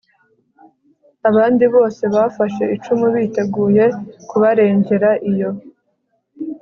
abandi bose bafashe icumu, biteguye kubarengera iyo